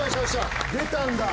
出たんだ。